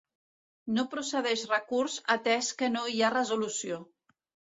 No procedeix recurs atès que no hi ha resolució.